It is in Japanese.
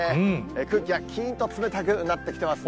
空気がきーんと冷たくなってきてますね。